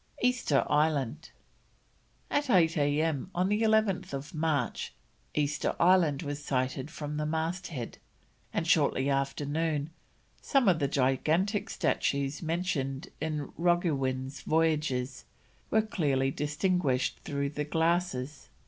EASTER ISLAND. At 8 A.M., on 11th March, Easter Island was sighted from the masthead, and shortly after noon some of the gigantic statues mentioned in Roggewin's Voyages were clearly distinguished through the glasses.